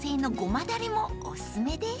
だれもおすすめです］